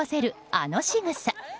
あのしぐさ。